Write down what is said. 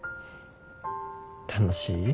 楽しい？